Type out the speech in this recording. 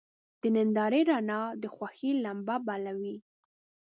د نندارې رڼا د خوښۍ لمبه بله وي.